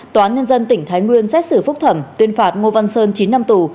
tòa nhân dân tỉnh thái nguyên xét xử phúc thẩm tuyên phạt ngô vân sơn chín năm tù